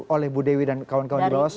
oleh bu dewi dan kawan kawan di bawas